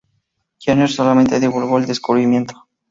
Jenner solamente divulgó el descubrimiento.